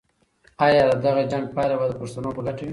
آیا د دغه جنګ پایله به د پښتنو په ګټه وي؟